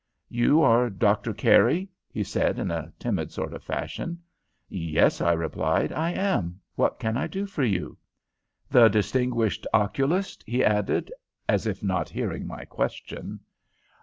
"'You are Doctor Carey?' he said, in a timid sort of fashion. "'Yes,' I replied; 'I am. What can I do for you?' "'The distinguished oculist?' he added, as if not hearing my question.